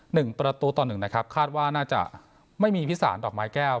หนึ่งประตูต่อหนึ่งนะครับคาดว่าน่าจะไม่มีพิสารดอกไม้แก้ว